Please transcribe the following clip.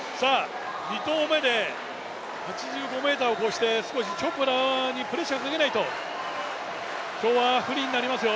２投目で８５ｍを越して少しチョプラにプレッシャーかけないと今日は不利になりますよ。